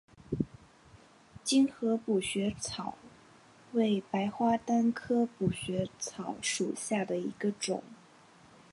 精河补血草为白花丹科补血草属下的一个种。